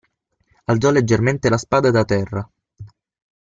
Alzò leggermente la spada da terra.